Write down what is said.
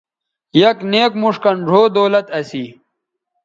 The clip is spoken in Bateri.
یک نیک موݜ کَن ڙھؤ دولت اسی